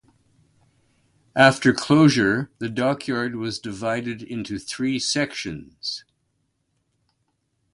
After closure the dockyard was divided into three sections.